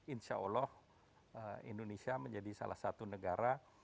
insya allah indonesia menjadi salah satu negara